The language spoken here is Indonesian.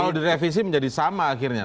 kalau direvisi menjadi sama akhirnya